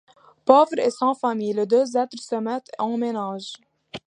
Pauvres et sans famille, les deux êtres se mettent en ménage.